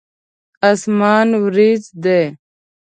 اسمان وريځ دی.